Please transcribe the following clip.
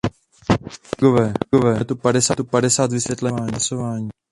Kolegové, máme tu padesát vysvětlení hlasování.